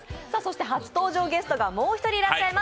初登場ゲストがもう１人いらっしゃいます。